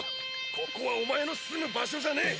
ここはお前の住む場所じゃねぇ！